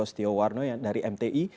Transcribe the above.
setia warno yang dari mti